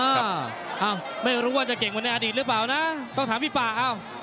อ้าวไม่รู้ว่าจะเก่งกว่าในอดีตหรือเปล่านะต้องถามพี่ป่าอ้าว